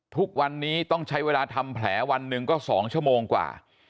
ทุกวันนี้ต้องใช้เวลาทำแผลวันหนึ่งก็๒ชั่วโมงกว่า